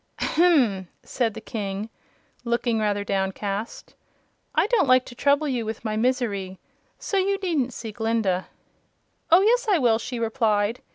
"Ahem!" said the King, looking rather downcast. "I don't like to trouble you with my misery; so you needn't see Glinda." "Oh, yes I will," she replied.